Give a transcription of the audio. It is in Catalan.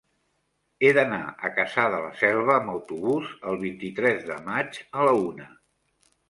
He d'anar a Cassà de la Selva amb autobús el vint-i-tres de maig a la una.